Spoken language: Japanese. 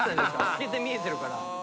透けて見えてるから。